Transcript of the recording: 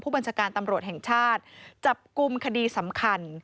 บัญชาการตำรวจแห่งชาติจับกลุ่มคดีสำคัญ